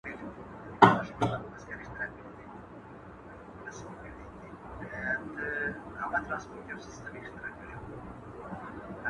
فعل بايد د فاعل سره سم وي.